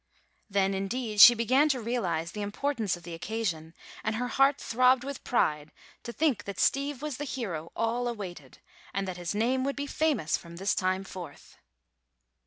Then, indeed, she began to realize the importance of the occasion, and her heart throbbed with pride to think that Steve was the hero all awaited and that his name would be famous from this time forth.